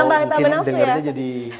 atau mungkin dengarnya jadi